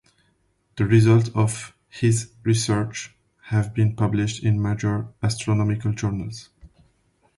The results of his research have been published in major astronomical journals.